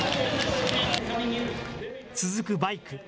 続くバイク。